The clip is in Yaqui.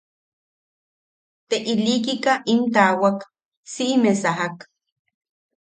Te ilikika im taawak, Siʼime sajak.